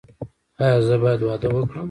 ایا زه باید واده وکړم؟